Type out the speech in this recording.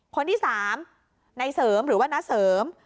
คนที่สามนายเสริมหรือว่านักเสริม